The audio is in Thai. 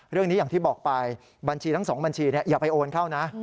เรื่องนี้อย่างที่บอกไปบัญชีทั้งสองบัญชีเนี่ยอย่าไปโอนเข้านะ